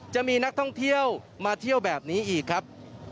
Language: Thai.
จะมีนักท่องเที่ยวมาเที่ยวแบบนี้อีกครับ